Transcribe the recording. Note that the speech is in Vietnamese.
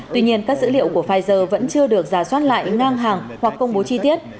tuy nhiên các dữ liệu của pfizer vẫn chưa được giả soát lại ngang hàng hoặc công bố chi tiết